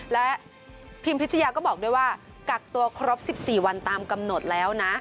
และพิมพิชยาก็บอกด้วยว่ากักตัวครบ๑๔วันตามกำหนดแล้วนะ